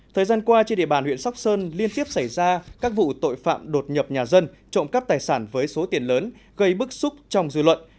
thời gian qua trên địa bàn huyện sóc sơn liên tiếp xảy ra các vụ tội phạm đột nhập nhà dân trộm cắp tài sản với số tiền lớn gây bức xúc trong dư luận